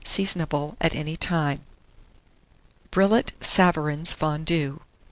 Seasonable at any time. BRILLAT SAVARIN'S FONDUE.